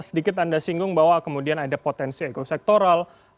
sedikit anda singgung bahwa kemudian ada potensi ekosektoral